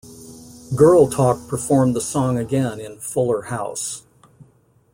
Girl Talk performed the song again in "Fuller House".